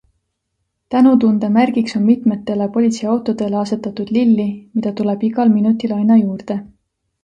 Tänutunde märgiks on mitmetele politseiautodele asetatud lilli, mida tuleb igal minutil aina juurde.